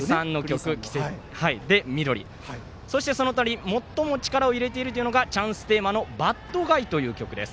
そして、その隣最も力を入れているのがチャンステーマの「ｂａｄｇｕｙ」という曲です。